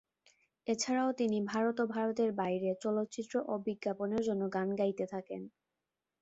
এছাড়াও তিনি ভারত ও ভারতের বাইরের চলচ্চিত্র ও বিজ্ঞাপনের জন্য গান গাইতে থাকেন।